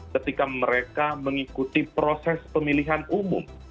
ketika mereka mengikuti proses pemilihan umum